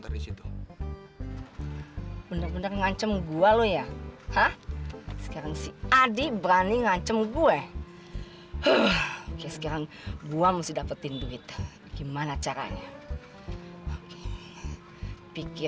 tapi kita kangen mandi yuk